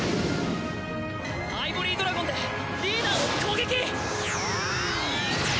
アイボリードラゴンでリーダーを攻撃！